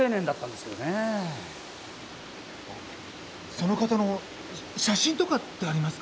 その方の写真とかってありますか？